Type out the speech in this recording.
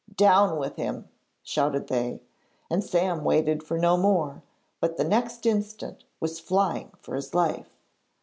'Down with him,' shouted they; and Sam waited for no more, but the next instant was flying for his life.